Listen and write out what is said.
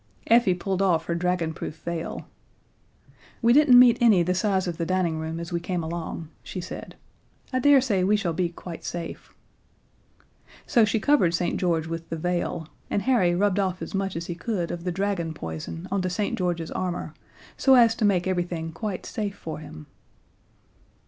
Effie pulled off her dragonproof veil. "We didn't meet any the size of the dining room as we came along," she said. "I daresay we shall be quite safe." So she covered St. George with the veil, and Harry rubbed off as much as he could of the dragon poison onto St. George's armor, so as to make everything quite safe for him.